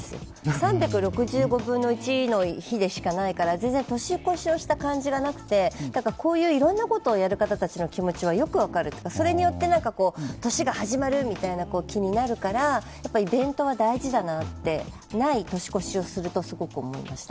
３６５分の１の日でしかないから全然年越しをした感じがなくて、こういういろんなことをやる方たちの気持ちはよく分かる、それによって年が始まるみたいな気になるからイベントは大事だなと、ない年越しをすると、すごく思いました。